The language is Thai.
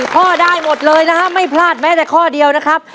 ข้อได้หมดเลยนะฮะไม่พลาดแม้แต่ข้อเดียวนะครับ